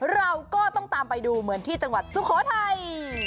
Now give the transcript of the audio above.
เราก็ต้องตามไปดูเหมือนที่จังหวัดสุโขทัย